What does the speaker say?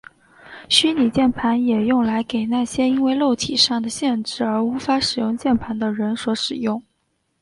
虚拟键盘也用来给那些因为肉体上的限制而无法使用键盘的人所使用。